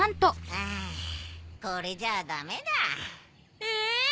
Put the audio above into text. はぁこれじゃあダメだ。え！